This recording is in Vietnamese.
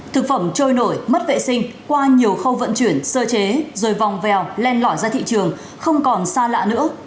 thực phẩm trôi nổi mất vệ sinh qua nhiều khâu vận chuyển sơ chế rồi vòng vèo len lỏi ra thị trường không còn xa lạ nữa